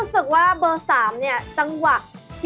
ส่วนเบอร์๒ผมว่าแบบ